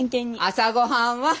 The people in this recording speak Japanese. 朝ごはんは？